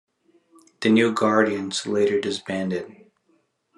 The New Guardians later disbanded.